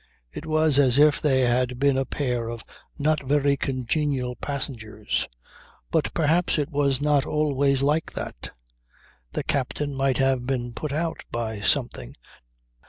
It was as if they had been a pair of not very congenial passengers. But perhaps it was not always like that. The captain might have been put out by something.